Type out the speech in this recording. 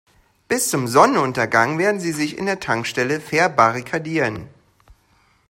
Bis zum Sonnenuntergang werden sie sich in der Tankstelle verbarrikadieren.